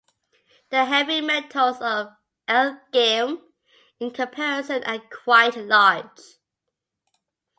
The Heavy Metals of L-Gaim in comparison are quite large.